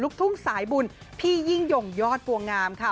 ลูกทุ่มสายบุญพี่ยิ่งหย่อดปั้วงามค่ะ